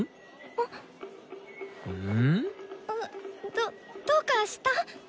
どどうかした？